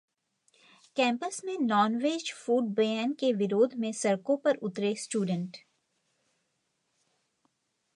campus में nonveg food ban के विरोध में सड़कों पर उतरे स्टूडेंट